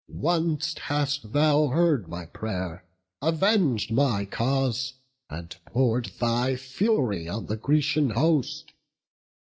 Once hast thou heard my pray'r, aveng'd my cause, And pour'd thy fury on the Grecian host.